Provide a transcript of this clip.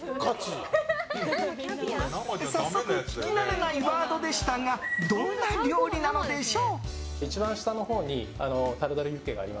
早速聞き慣れないワードでしたがどんな料理なのでしょう？